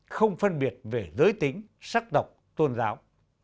không phân biệt về giới tính sắc độc tôn giáo